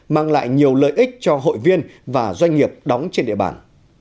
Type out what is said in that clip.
mang lại nhiều lợi ích cho hội viên và doanh nghiệp đóng trên địa bàn